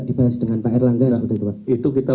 dibahas dengan pak erlangga itu kita